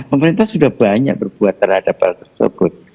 pemerintah sudah banyak berbuat terhadap hal tersebut